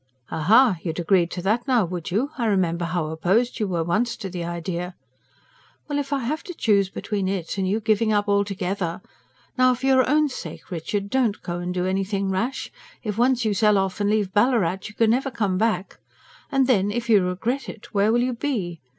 "Aha! you'd agree to that now, would you? I remember how opposed you were once to the idea." "Well, if I have to choose between it and you giving up altogether... Now, for your own sake, Richard, don't go and do anything rash. If once you sell off and leave Ballarat, you can never come back. And then, if you regret it, where will you be?